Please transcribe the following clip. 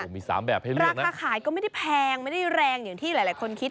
มี๓แบบให้เลือกราคาขายก็ไม่ได้แพงไม่ได้แรงอย่างที่หลายคนคิด